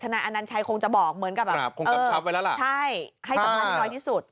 ธนายอนันชัยคงจะบอกเหมือนกับคงกลับช้าวไปแล้วล่ะใช่ให้สัมภาษณ์ที่สุด